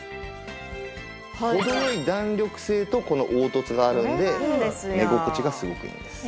程よい弾力性とこの凹凸があるんで寝心地がすごくいいんです。